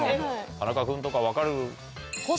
田中君とか分かる？